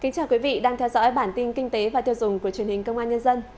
chào mừng quý vị đến với bản tin kinh tế và tiêu dùng của truyền hình công an nhân dân